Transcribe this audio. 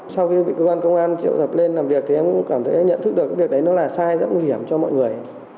sau khi bị cơ quan công an triệu tập lên làm việc thì em cũng cảm thấy nhận thức được cái việc đấy nó là sai rất nguy hiểm cho mọi người